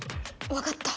わかった。